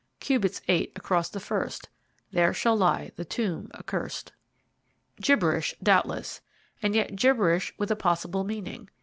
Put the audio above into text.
Cubits eight across the first There shall lie the tomb accurst. Gibberish doubtless, and yet gibberish with a possible meaning.